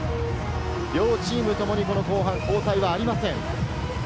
両チームともに後半、交代はありません。